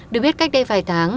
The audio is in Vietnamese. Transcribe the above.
được biết cách đây vài tháng